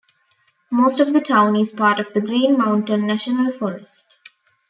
Most of the town is part of the Green Mountain National Forest.